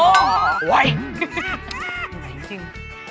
โอ๊ยใกล้จริง